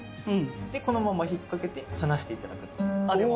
このまま引っ掛けて離していただくと。